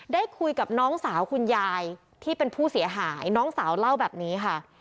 ได้คุยกับน้องสาวคุณยายที่เป็นผู้เสียหายน้องสาวเล่าแบบนี้ค่ะ